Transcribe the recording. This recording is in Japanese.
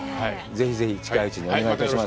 ぜひぜひ近いうちに、お願いいたします。